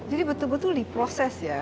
jadi betul betul diproses ya